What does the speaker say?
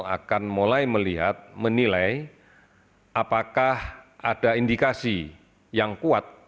akan mulai melihat menilai apakah ada indikasi yang kuat